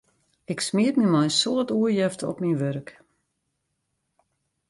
Ik smiet my mei in soad oerjefte op myn wurk.